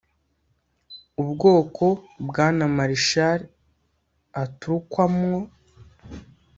ubwoko bwana Machar aturukamwo